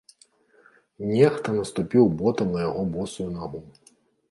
Нехта наступіў ботам на яго босую нагу.